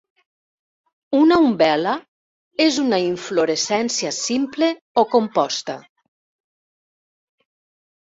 Una umbel·la és una inflorescència simple o composta.